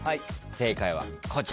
正解はこちら。